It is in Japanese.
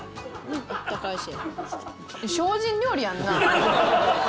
あったかいし。